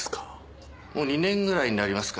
もう２年ぐらいになりますか。